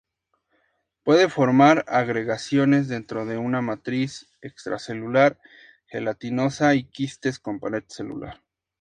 Puede formar agregaciones dentro de una matriz extracelular gelatinosa y quistes con pared celular.